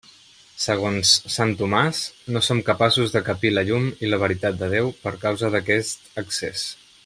Segons sant Tomàs, no som capaços de capir la llum i la veritat de Déu per causa d'aquest excés.